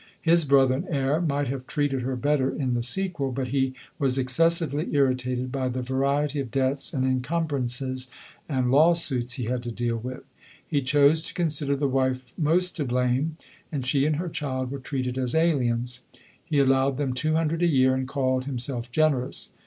His brother, and heir, might have treated her better in the sequel ; but he tar F H 106 LODORE. was excessively irritated by the variety of debts, and incumbrances, and lawsuits, he had to deal with. He chose to consider the wife most to blame, and she and her child were treated as aliens. He allowed them two hundred a year, and called himself generous.